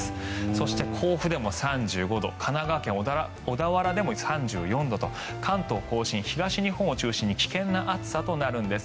そして甲府でも３５度神奈川県小田原でも３４度と関東・甲信、東日本を中心に危険な暑さとなるんです。